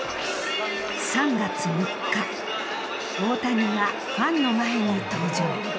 ３月３日大谷がファンの前に登場。